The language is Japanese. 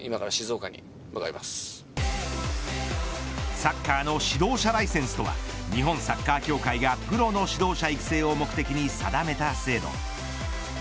サッカーの指導者ライセンスとは日本サッカー協会がプロの指導者育成を目的に定めた制度。